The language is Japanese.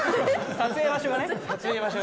撮影場所が。